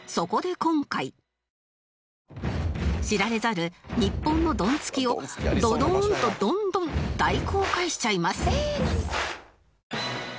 知られざる日本のドンツキをドドーンとドンドン大公開しちゃいます